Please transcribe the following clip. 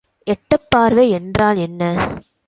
எட்டப்பார்வை என்றால் என்ன?